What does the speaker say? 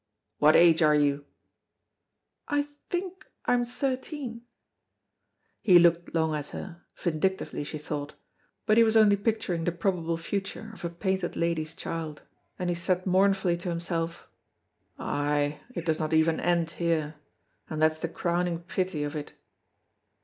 "What age are you?" "I think I am thirteen." He looked long at her, vindictively she thought, but he was only picturing the probable future of a painted lady's child, and he said mournfully to himself, "Ay, it does not even end here; and that's the crowning pity of it."